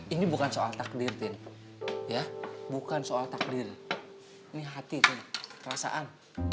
ini bukan soal takdir tin ya bukan soal takdir ini hati tin kerasaan